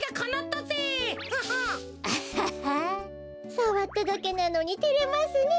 さわっただけなのにてれますねえ。